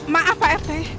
maaf pak rt